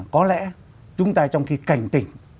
có lẽ chúng ta trong khi cảnh tỉnh